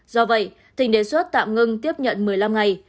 do vậy tỉnh đề xuất tạm ngừng tiếp nhận một mươi năm ngày